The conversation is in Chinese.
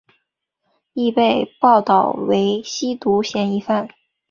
亦被报导为吸毒嫌疑犯。